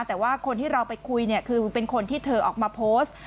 แต่ว่าคนที่เราไปคุยเนี่ยคือเป็นคนที่เธอออกมาโพสต์